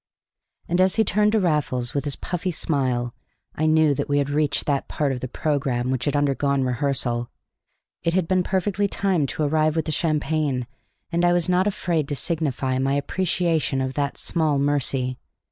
And, as he turned to Raffles with his puffy smile, I knew that we had reached that part of the programme which had undergone rehearsal: it had been perfectly timed to arrive with the champagne, and I was not afraid to signify my appreciation of that small mercy.